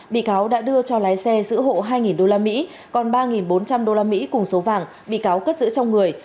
bị cáo đã đưa cho lái xe giữ hộ hai đô la mỹ còn ba bốn trăm linh đô la mỹ cùng số vàng bị cáo cất giữ trong người